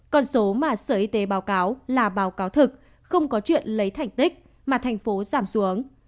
con số mà sở y tế báo cáo là báo cáo thực không có chuyện lấy thành tích mà thành phố giảm xuống